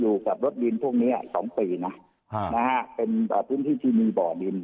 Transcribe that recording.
ยูกับรถดินพรุ่งนี้๒ปีนะเป็นประตุ้นที่ที่มีบ่อดิน